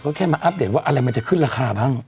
ก็แค่มาอัปเดตว่าอะไรมันจะขึ้นราคาบ้าง